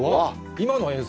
今の映像？